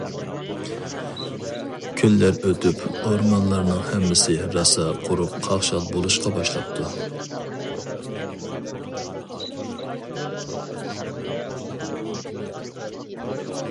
كۈنلەر ئۆتۈپ ئورمانلارنىڭ ھەممىسى راسا قۇرۇپ قاقشال بولۇشقا باشلاپتۇ.